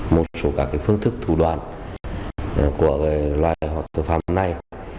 một số các phương thức thủ đoàn của loài hộp thực phẩm này